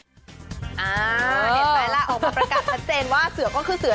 เห็นไหมล่ะออกมาประกาศชัดเจนว่าเสือก็คือเสือ